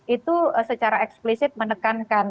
itu secara eksplisit menyebabkan